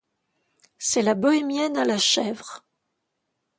C'est la bohémienne à la chèvre.